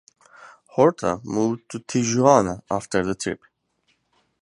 Horta moved to Tijuana after the trip.